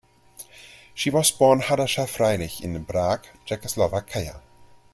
She was born Hadassah Freilich in Prague, Czechoslovakia.